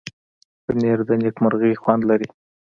پنېر د نېکمرغۍ خوند لري.